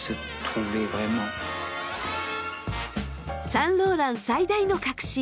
サンローラン最大の革新